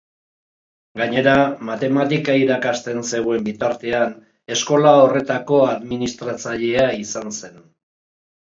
Gainera, matematika irakasten zegoen bitartean, eskola horretako administratzailea izan zen.